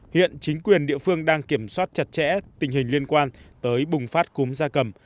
hiện chính quyền địa phương đang kiểm soát chặt chẽ tình hình liên quan tới bùng phát cúm da cầm